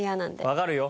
わかるよ。